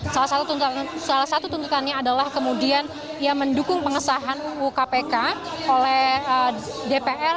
salah satu tuntutannya adalah kemudian ia mendukung pengesahan ukpk oleh dpr